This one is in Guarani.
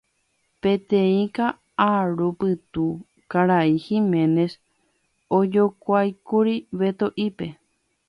Peteĩ ka'arupytũ Karai Giménez ojokuáikuri Beto'ípe.